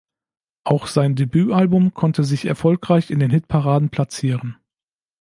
Auch sein Debütalbum konnte sich erfolgreich in den Hitparaden platzieren.